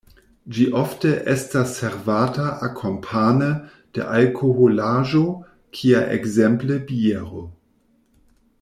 Ĝi ofte estas servata akompane de alkoholaĵo kia ekzemple biero.